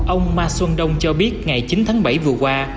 ông mai xuân đông cho biết ngày chín tháng bảy vừa qua